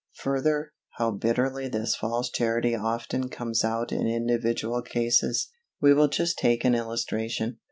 Further, how bitterly this false Charity often comes out in individual cases. We will just take an illustration.